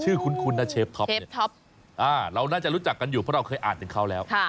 ชื่อคุณนะเชฟท็อปเนี่ยเราน่าจะรู้จักกันอยู่เพราะเราเคยอ่านกันคราวแล้ว